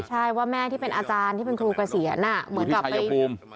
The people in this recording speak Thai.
ใช่ว่าแม่ที่เป็นอาจารย์ที่เป็นครูเกษียณเหมือนกับไปภูมิ